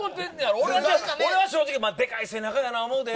俺は正直でかい背中やな思うで。